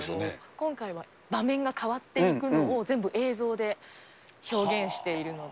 今回は場面が変わっていくのを、全部映像で表現しているので。